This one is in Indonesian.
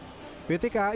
pt kai sebetulnya